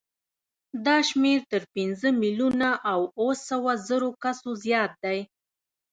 دا شمېر تر پنځه میلیونه او اوه سوه زرو کسو زیات دی.